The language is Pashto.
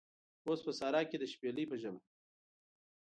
اوس په سارا کې د شپیلۍ په ژبه